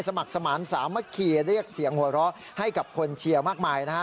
สมัครสมานสามัคคีเรียกเสียงหัวเราะให้กับคนเชียร์มากมายนะฮะ